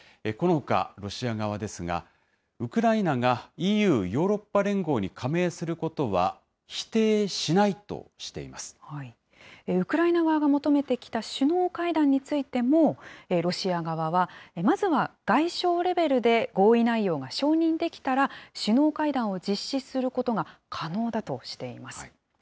このほかロシア側ですが、ウクライナがＥＵ・ヨーロッパ連合に加盟することは否定しないとウクライナ側が求めてきた首脳会談についても、ロシア側はまずは外相レベルで合意内容が承認できたら首脳会談を実施することが可能だとしています。